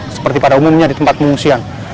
seperti pada umumnya di tempat pengungsian